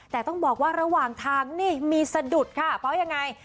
แต่ต้องบอกว่าระหว่างทางนี่มีสะดุดค่ะเพราะยังไง